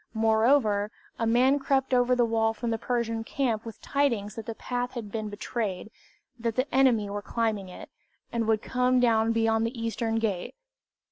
Moreover, a man crept over to the wall from the Persian camp with tidings that the path had been betrayed, that the enemy were climbing it, and would come down beyond the Eastern Gate.